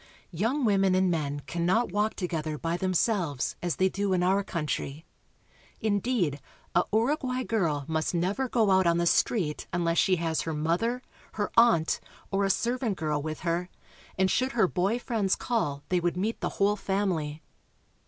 Young women and men can not walk together by themselves, as they do in our coun try. Indeed, a Uruguay girl must never go out on the street unless she has her mother, her aunt, or a servant girl with her, and should her boy friends call they would meet the whole family.